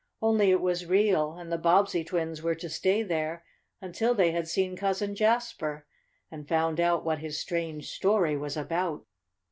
Only it was real, and the Bobbsey twins were to stay there until they had seen Cousin Jasper, and found out what his strange story was about.